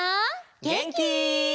げんき？